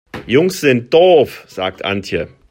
Jungs sind doof, sagt Antje.